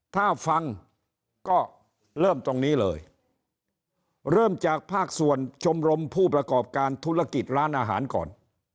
ถ้าฟังก็เริ่มตรงนี้เลยเริ่มจากภาคส่วนชมรมผู้ประกอบการธุรกิจร้านอาหารก่อน